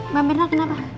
mbak mirna kenapa